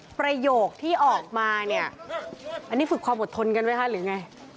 ประโยคที่ออกมาอันนี้ฝึกความอดทนกันไหม